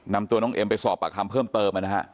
นำตัวน้องเอ็มไปสอบมาอาคารเพิ่มเติม